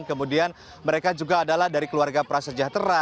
kemudian mereka juga adalah dari keluarga prasejahtera